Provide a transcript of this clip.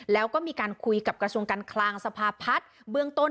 แล้วก็มีการคุยกับกระทรวงการคลังสภาพัฒน์เบื้องต้น